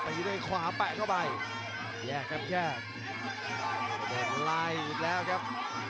ประโยชน์ทอตอร์จานแสนชัยกับยานิลลาลีนี่ครับ